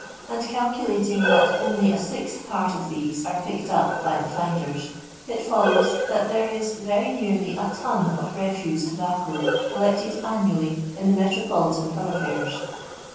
; and calculating that only a sixth port of these are picked up by the finders, it follows that there is very nearly a ton of refuse tobacco collected annually in the metropolitan thorough fares.